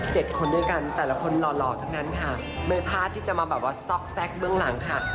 คนด้วยกันแต่ละคนหล่อหล่อทั้งนั้นค่ะไม่พลาดที่จะมาแบบว่าซอกแก๊กเบื้องหลังค่ะ